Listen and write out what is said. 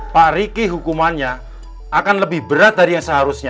pak riki hukumannya akan lebih berat dari yang seharusnya